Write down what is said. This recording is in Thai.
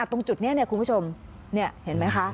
ตรงจุดนี้คุณผู้ชมเห็นไหมคะ